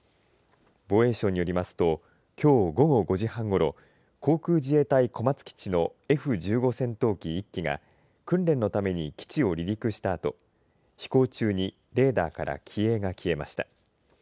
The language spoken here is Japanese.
防衛省によりますときょう午後５時半ごろ航空自衛隊小松基地のＦ１５戦闘機１機が訓練のために基地を離陸したあと飛行中にレーダーから機影が消えました。